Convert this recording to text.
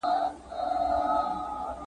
خو لستوڼي مو تل ډک وي له مارانو ,